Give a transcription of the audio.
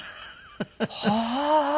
「はあ！